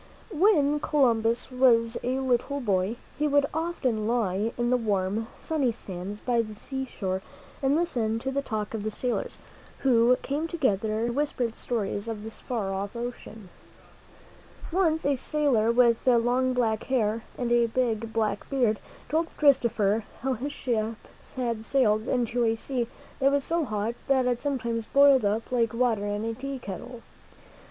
When Columbus was a little boy, he would often lie in the warm, sunny sands by the seashore and listen to the talk of the sailors, who came together and u i^'At' .r^ ;^is ? ■yJi'fSiM ml .;3Vu:. MEN WHO FOUND AMERICA whispered stories of this far off ocean. Once a sailor with long black hair and a big black beard told Christopher how his ship had sailed into a sea that was so hot that it sometimes boiled up like water in a tea kettle.